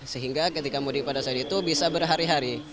sehingga ketika mudik pada saat itu bisa berhari hari